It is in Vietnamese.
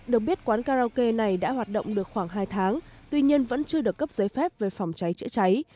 được biết quán karaoke này đã hoạt động được khoảng hai tháng tuy nhiên vẫn chưa được cấp giấy phép về phòng cháy chữa cháy